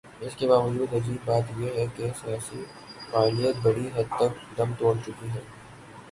اس کے باوجود عجیب بات یہ ہے کہ سیاسی فعالیت بڑی حد تک دم توڑ چکی ہے۔